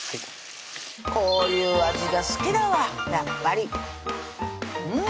こういう味が好きだわやっぱりうん！